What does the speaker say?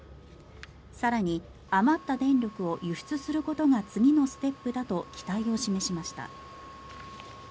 更に、余った電力を輸出することが次のステップだと期待を示しました。